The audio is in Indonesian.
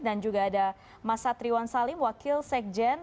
dan juga ada mas satriwan salim wakil sekjen